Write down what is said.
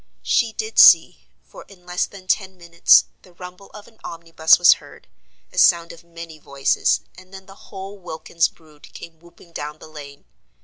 She did see; for in less than ten minutes the rumble of an omnibus was heard, a sound of many voices, and then the whole Wilkins brood came whooping down the lane.